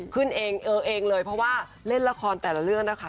ขึ้นเองเออเองเลยเพราะว่าเล่นละครแต่ละเรื่องนะคะ